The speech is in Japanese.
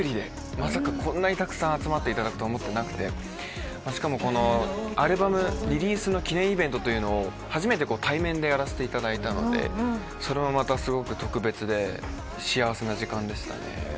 まさか、こんなに集まっていただけるとは思ってなくてしかも、アルバムのリリース記念イベントを初めて対面でやらせていただいたのでそれも、またすごく特別で幸せな時間でしたね。